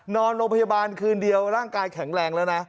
นอนโรงพยาบาลคืนเดียวร่างกายแข็งแรงแล้วนะ